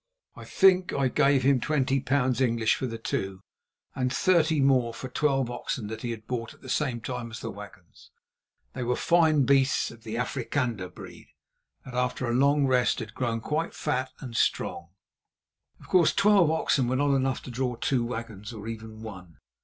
I think I gave him twenty pounds English for the two, and thirty more for twelve oxen that he had bought at the same time as the wagons. They were fine beasts of the Afrikander breed, that after a long rest had grown quite fat and strong. Of course twelve oxen were not enough to draw two wagons, or even one.